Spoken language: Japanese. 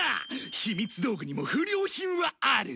ひみつ道具にも不良品はある。